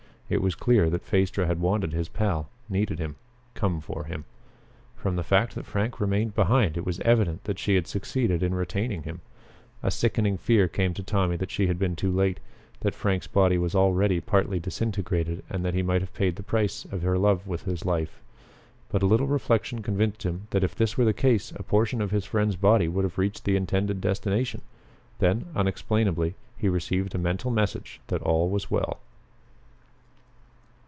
It was clear that Phaestra had wanted his pal, needed him come for him. From the fact that Frank remained behind it was evident that she had succeeded in retaining him. A sickening fear came to Tommy that she had been too late; that Frank's body was already partly disintegrated and that he might have paid the price of her love with his life. But a little reflection convinced him that if this were the case a portion of his friend's body would have reached the intended destination. Then, unexplainably, he received a mental message that all was well.